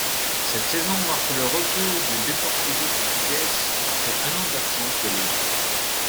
Cette saison marque le retour du Deportivo Portugués après un an d'absence de l'élite.